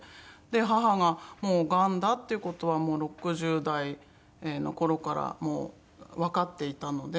母がもうがんだっていう事は６０代の頃からわかっていたので。